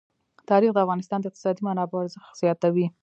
تاریخ د افغانستان د اقتصادي منابعو ارزښت زیاتوي.